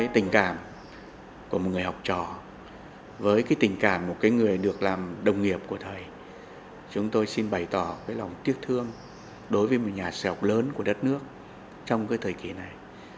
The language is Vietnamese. tình cảm của một người học trò với tình cảm một người được làm đồng nghiệp của thầy chúng tôi xin bày tỏ lòng tiếc thương đối với một nhà sử học lớn của đất nước trong thời kỳ này